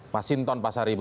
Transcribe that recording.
mas hinton pasaribu